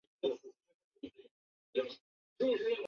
求其上